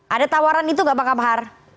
ada tawaran itu nggak bang kamar